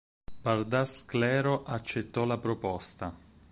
Bardas Sclero accettò la proposta.